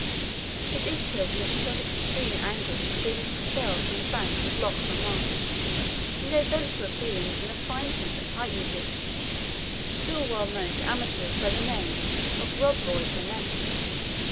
It is certain that she felt extreme anguish at being expelled from the banks of Loch Lomond, and gave vent to her feelings in a fine piece of pipe music, still well known to amateurs by the name of "Rob Roy's Lament."